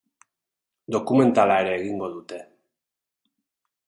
Dokumentala ere egingo dute.